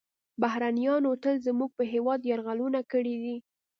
بهرنیانو تل زموږ په هیواد یرغلونه کړي دي